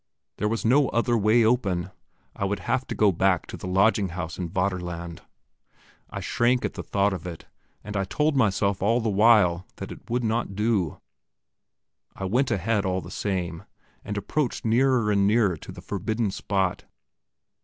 There was no other way open; I would have to go back to the lodging house in Vaterland. I shrank at the thought of it, and I told myself all the while that it would not do. I went ahead all the same, and approached nearer and nearer to the forbidden spot.